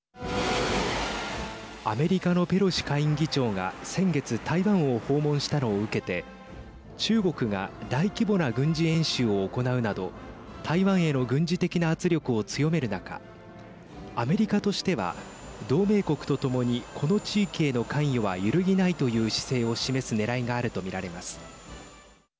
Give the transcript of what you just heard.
アメリカのペロシ下院議長が先月、台湾を訪問したのを受けて中国が大規模な軍事演習を行うなど台湾への軍事的な圧力を強める中アメリカとしては同盟国とともにこの地域への関与は揺るぎないという姿勢を示すねらいがあると見られます。